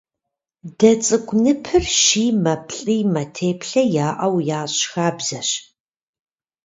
Дэ цӀыкӀу ныпыр щимэ, плӀимэ теплъэ иӏэу ящӀ хабзэщ.